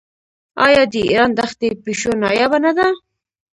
آیا د ایران دښتي پیشو نایابه نه ده؟